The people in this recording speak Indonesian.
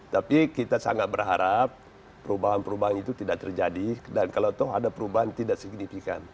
tapi kita sangat berharap perubahan perubahan itu tidak terjadi dan kalau tahu ada perubahan tidak signifikan